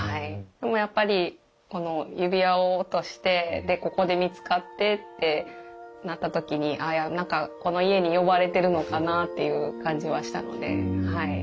でもやっぱりこの指輪を落としてでここで見つかってってなった時にあ何かこの家に呼ばれてるのかなっていう感じはしたので。